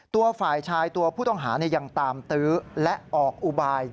ตัวฝ่ายชายตัวผู้ต้องหายังตามตื้อและออกอุบาย